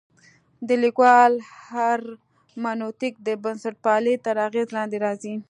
د لیکوال هرمنوتیک د بنسټپالنې تر اغېز لاندې راځي.